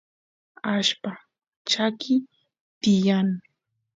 allpa chakiy tiyan